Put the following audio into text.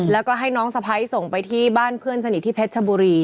แล้วก็ให้น้องสะพ้ายส่งไปที่บ้านเพื่อนสนิทที่เพชรชบุรี